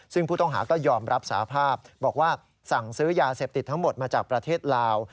ซึ่งผู้ต้องหาก็ยอมรับสาภาพบอกว่าสั่งซื้อยาเสพติดทั้งหมดมาจากประเทศลาว